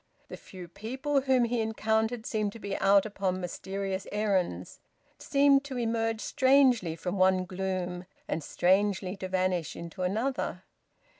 The few people whom he encountered seemed to be out upon mysterious errands, seemed to emerge strangely from one gloom and strangely to vanish into another.